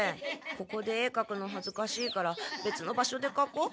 ここで絵かくのはずかしいからべつの場所でかこう。